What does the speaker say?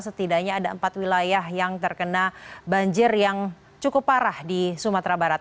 setidaknya ada empat wilayah yang terkena banjir yang cukup parah di sumatera barat